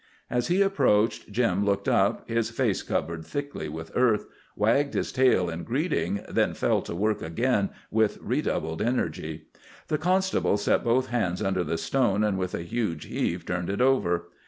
As he approached, Jim looked up, his face covered thickly with earth, wagged his tail in greeting, then fell to work again with redoubled energy. The constable set both hands under the stone, and with a huge heave turned it over.